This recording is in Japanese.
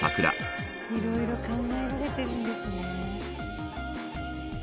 羽田：いろいろ考えられてるんですね。